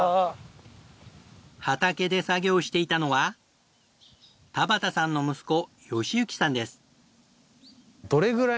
畑で作業していたのは田端さんの息子善行さんです。